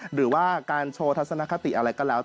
หรือว่าการโชว์ทัศนคติอะไรก็แล้ว